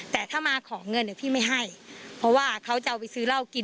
แต่ถ้ามาขอเงินเนี่ยพี่ไม่ให้เพราะว่าเขาจะเอาไปซื้อเหล้ากิน